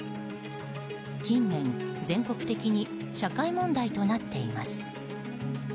近年、全国的に社会問題となっています。